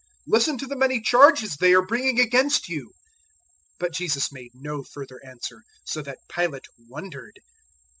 Listen to the many charges they are bringing against you." 015:005 But Jesus made no further answer: so that Pilate wondered.